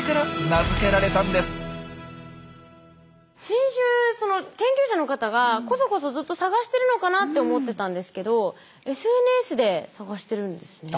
新種研究者の方がこそこそずっと探してるのかなと思ってたんですけどＳＮＳで探してるんですね。